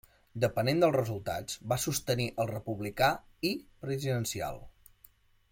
Depenent dels resultats, va sostenir el republicà i presidencial.